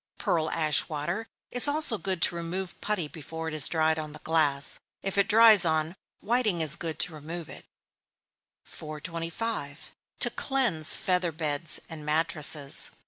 Pearl ash water is also good to remove putty before it is dried on the glass. If it dries on, whiting is good to remove it. 425. _To cleanse Feather Beds and Mattresses.